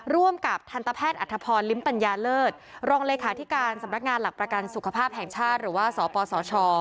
ร่วมกับทันตแพทย์อัธพรลิ้มปัญญาเลิศรองเลขาธิการสำนักงานหลักประกันสุขภาพแห่งชาติหรือว่าสปสช